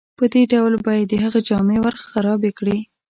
په دې ډول به یې د هغه جامې ورخرابې کړې.